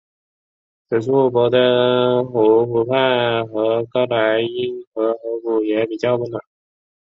此外博登湖湖畔和高莱茵河河谷也比较温暖。